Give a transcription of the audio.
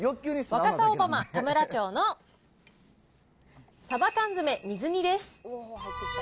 若狭小浜田村長の鯖缶詰水煮です。